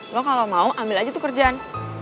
lo kalau mau ambil aja tuh kerjaan